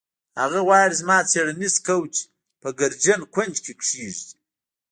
هغه غواړي زما څیړنیز کوچ په ګردجن کونج کې کیږدي